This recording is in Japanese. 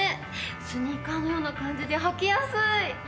スニーカーのような感じで履きやすい！